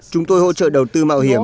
chúng tôi hỗ trợ đầu tư mạo hiểm